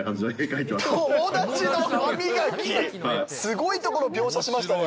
すごいところ描写しましたね。